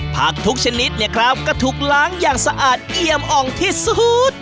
ทุกชนิดเนี่ยครับก็ถูกล้างอย่างสะอาดเอี่ยมอ่องที่สุด